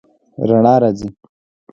رڼا راځي